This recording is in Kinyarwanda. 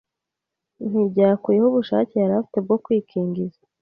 ntibyakuyeho ubushake yari afite bwo kwikingiza